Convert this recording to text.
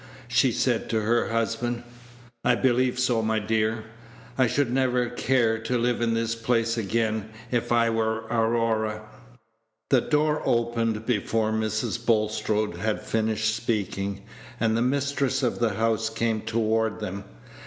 she said to her husband. "I believe so, my dear." "I should never care to live in this place again, if I were Aurora." The door opened before Mrs. Bulstrode had finished speaking, and the mistress of the house came toward them.